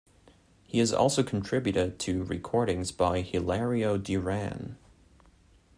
He has also contributed to recordings by Hilario Duran.